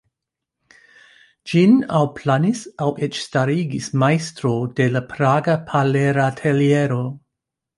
Ĝin aŭ planis aŭ eĉ starigis majstroj de la praga Parler-ateliero.